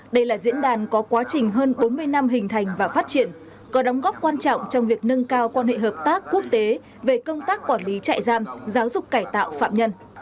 đây là diễn đàn có quá trình hơn bốn mươi năm hình thành và phát triển có đóng góp quan trọng trong việc nâng cao quan hệ hợp tác quốc tế về công tác quản lý trại giam giáo dục cải tạo phạm nhân